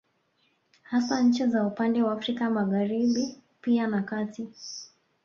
Hasa nchi za upande wa Afrika Magharibi pia na kati